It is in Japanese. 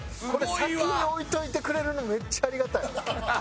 先に置いといてくれるのめっちゃありがたい。